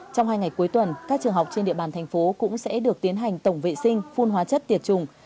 trong hai ngày cuối tuần các trường học trên địa bàn thành phố cũng sẽ được tiến hành tổng vệ sinh phun hóa chất tiệt trùng